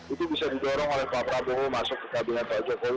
itu bisa didorong oleh pak prabowo masuk ke kabinet pak jokowi